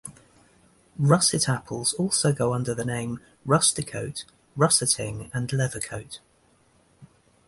Russet apples also go under the name "rusticoat", "russeting" and "leathercoat".